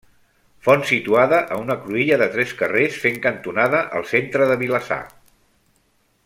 Font situada, a una cruïlla de tres carrers fent cantonada, al centre de Vilassar.